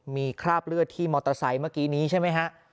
มีคราบเลือดที่มอเตอร์ไซค์เมื่อกี้นี้ใช่ไหมฮะ